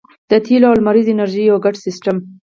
د تیلو او لمریزې انرژۍ یو ګډ سیستم